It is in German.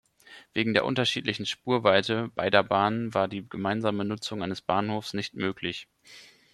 Wegen der unterschiedlichen Spurweite beider Bahnen war die gemeinsame Nutzung eines Bahnhofs nicht möglich.